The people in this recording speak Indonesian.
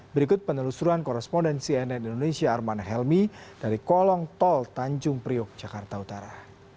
berikut penelusuran korespondensi nn indonesia arman helmi dari kolong tol tanjung priok jakarta utara